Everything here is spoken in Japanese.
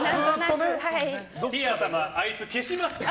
ティア様、あいつ消しますか？